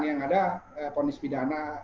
yang ada ponis pidana